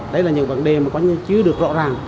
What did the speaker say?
đấy là những vấn đề mà chưa được rõ ràng